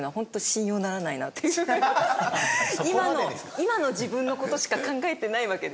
今の自分の事しか考えてないわけで。